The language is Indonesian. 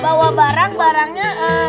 bawa barang barangnya ke